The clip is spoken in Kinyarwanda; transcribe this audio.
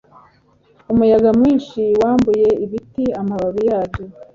Umuyaga mwinshi wambuye ibiti amababi yabyo.